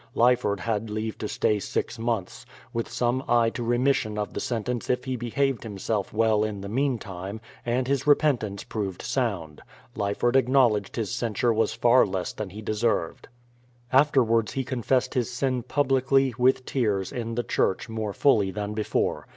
Ly ford had leave to stay six months, — with some eye to remis sion of the sentence if he behaved himself well in the mean time, and his repentance proved sound. Lyford acknowl edged his censure was far less than he deserved. Afterwards he confessed his sin publicly, with tears, in the church, more fully than before.